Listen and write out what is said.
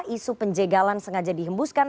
isu penjagalan sengaja dihembuskan